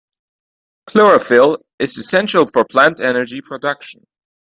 Chlorophyll is essential for plant energy production.